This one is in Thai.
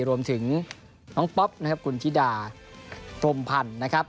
รวมถึงน้องป๊อปนะครับคุณธิดาพรมพันธ์นะครับ